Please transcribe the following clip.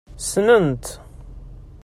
Ssnent.